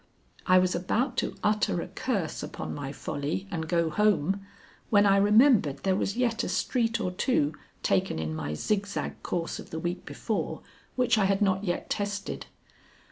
I was about to utter a curse upon my folly and go home, when I remembered there was yet a street or two taken in my zig zag course of the week before, which I had not yet tested.